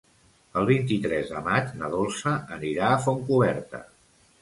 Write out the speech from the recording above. El vint-i-tres de maig na Dolça anirà a Fontcoberta.